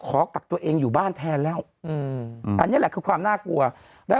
ขอกักตัวเองอยู่บ้านแทนแล้วอืมอันนี้แหละคือความน่ากลัวแล้ว